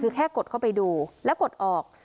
คือแค่กดเข้าไปดูแล้วกดออก